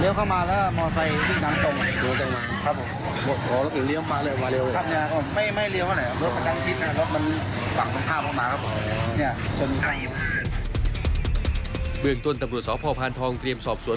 เบื้องต้นตำรวจสพพานทองเตรียมสอบสวน